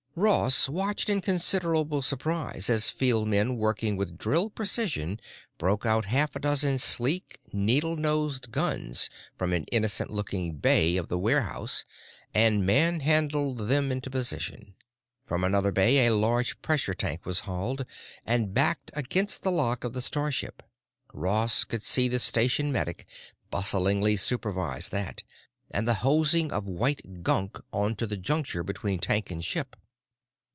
Ross watched in considerable surprise as Field men working with drilled precision broke out half a dozen sleek, needle nosed guns from an innocent looking bay of the warehouse and manhandled them into position. From another bay a large pressure tank was hauled and backed against the lock of the starship. Ross could see the station medic bustlingly supervise that, and the hosing of white gunk onto the juncture between tank and ship.